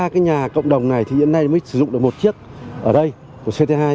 ba cái nhà cộng đồng này thì hiện nay mới sử dụng được một chiếc ở đây của ct hai